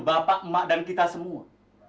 bapak emak dan kita semua